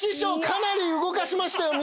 かなり動かしましたよ。